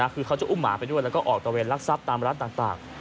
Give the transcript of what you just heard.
คือเขาจะอุ้มหมาไปด้วยแล้วก็ออกตะเวนลักทรัพย์ตามร้านต่าง